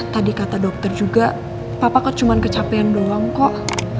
tadi kata dokter juga papa kok cuma kecapean doang kok